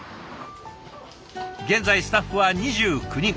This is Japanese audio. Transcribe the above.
現在スタッフは２９人。